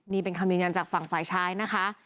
นี่เป็นคำยืนยันจากฝั่งฝ่ายชายนะคะ